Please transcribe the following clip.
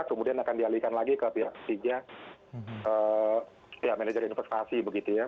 kemudian akan dialihkan lagi ke pihak ketiga manajer investasi begitu ya